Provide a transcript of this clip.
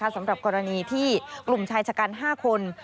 สำหรับกรณีที่กลุ่มชายชะกัน๕คน